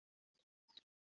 আমি বাড়িতেই পড়ি।